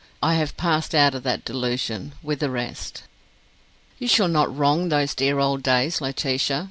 I have passed out of that delusion, with the rest." "You shall not wrong those dear old days, Laetitia.